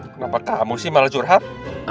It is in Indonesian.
kenapa kamu sih malah curhat